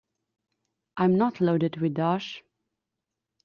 I'm not loaded with dosh.